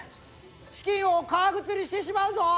チキンを革靴にしてしまうぞ！